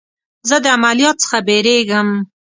زه د عملیات څخه بیریږم.